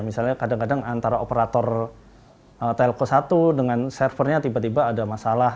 misalnya kadang kadang antara operator telko satu dengan servernya tiba tiba ada masalah